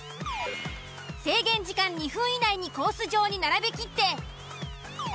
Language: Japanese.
制限時間２分以内にコース上に並べきって。